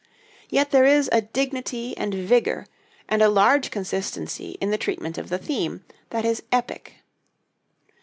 Yet there is a dignity and vigor, and a large consistency in the treatment of the theme, that is epic.